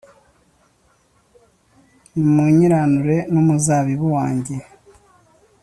nimunkiranure n’umuzabibu wanjye.